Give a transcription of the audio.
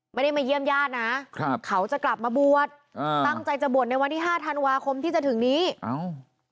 ไม่ได้มาเยี่ยมญาตินะครับเขาจะกลับมาบวชอ่าตั้งใจจะบวชในวันที่ห้าธันวาคมที่จะถึงนี้เอ้า